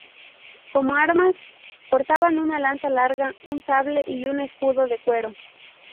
Como armas, portaban una lanza larga, un sable y un escudo de cuero.